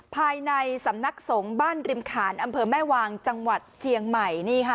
ภายในสำนักสงฆ์บ้านริมขานอำเภอแม่วางจังหวัดเจียงใหม่